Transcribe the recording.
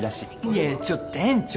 いやちょっと店長。